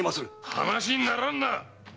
話にならぬな！